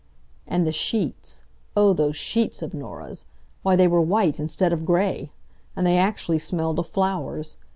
And the sheets. Oh, those sheets of Norah's! Why, they were white, instead of gray! And they actually smelled of flowers.